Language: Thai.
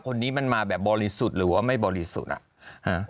คนนี้มันมาแบบบริสุทธิ์หรือว่าไม่บริสุทธิ์อ่ะฮะ